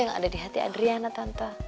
yang ada di hati adriana tanta